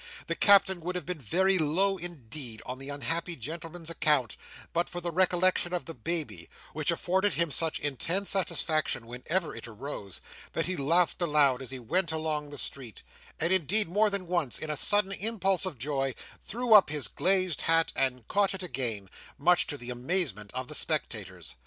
The Captain would have been very low, indeed, on the unhappy gentleman's account, but for the recollection of the baby; which afforded him such intense satisfaction whenever it arose, that he laughed aloud as he went along the street, and, indeed, more than once, in a sudden impulse of joy, threw up his glazed hat and caught it again; much to the amazement of the spectators.